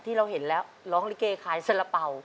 ที่เราเห็นแล้วร้องลิเกขายสละเป๋า